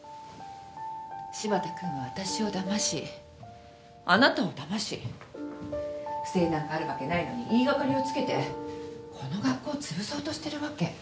柴田君は私をだましあなたをだまし不正なんかあるわけないのに言い掛かりをつけてこの学校をつぶそうとしてるわけ